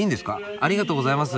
ありがとうございます。